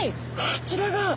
あちらが。